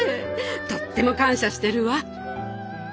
とっても感謝してるわ。